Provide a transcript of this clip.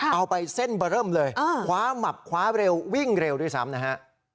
ไปเส้นเบอร์เริ่มเลยคว้าหมับคว้าเร็ววิ่งเร็วด้วยซ้ำนะฮะ